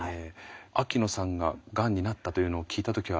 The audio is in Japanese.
秋野さんががんになったというのを聞いた時は？